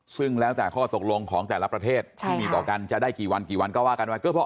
ซึ่งแล้วแต่ข้อตกลงของแต่ละประเทศที่มีต่อกันจะได้กี่วันกี่วันก็ว่ากันไว้